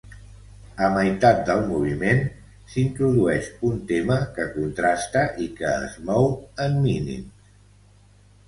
A meitat del moviment, s'introdueix un tema que contrasta i que es mou en mínims.